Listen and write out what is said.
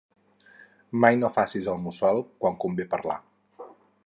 Mai no facis el mussol quan convé parlar.